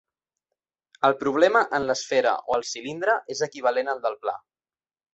El problema en l'esfera o el cilindre és equivalent al del pla.